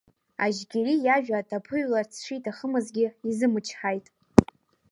Ажьгьери иажәа даԥыҩларц шиҭахымзгьы изымчҳаит.